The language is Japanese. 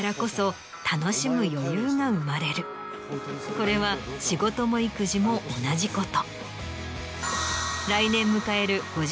これは仕事も育児も同じこと。